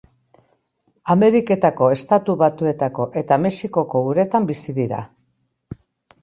Ameriketako Estatu Batuetako eta Mexikoko uretan bizi dira.